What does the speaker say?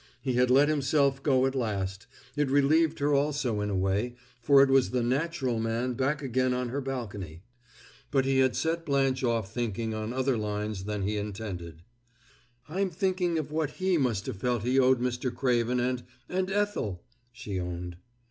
He had let himself go at last; it relieved her also in a way, for it was the natural man back again on her balcony. But he had set Blanche off thinking on other lines than he intended. "I'm thinking of what he must have felt he owed Mr. Craven and and Ethel!" she owned.